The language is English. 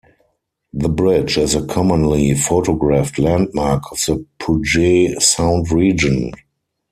The bridge is a commonly photographed landmark of the Puget Sound region.